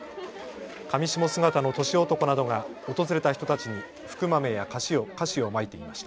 かみしも姿の年男などが訪れた人たちに福豆や菓子をまいていました。